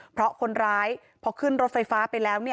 เพราะคนร้ายพอขึ้นรถไฟฟ้าไปแล้ว